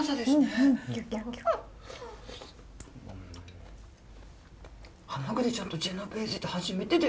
はまぐりちゃんとジェノベーゼって初めてです！